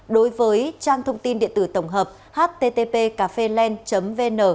đối với trang thông tin điện tử tổng hợp http cafelen vn